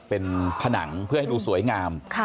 เป็นผนังเพื่อให้ดูสวยงาม